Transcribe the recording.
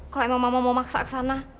kalau emang mama mau maksa ke sana